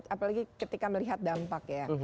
apalagi ketika melihat dampak ya